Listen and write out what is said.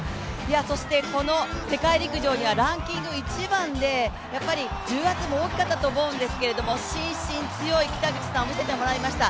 そして、この世界陸上にはランキング１番で重圧も大きかったと思うんですけれども心身強い北口さんを見せてもらいました。